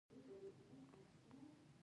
آیا بادام ډیرو اوبو ته اړتیا لري؟